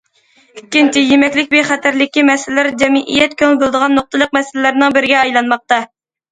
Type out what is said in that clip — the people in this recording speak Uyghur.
ئىككىنچى، يېمەكلىك بىخەتەرلىكى مەسىلىلىرى جەمئىيەت كۆڭۈل بۆلىدىغان نۇقتىلىق مەسىلىلەرنىڭ بىرىگە ئايلانماقتا.